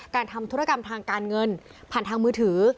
ทำธุรกรรมทางการเงินผ่านทางมือถือ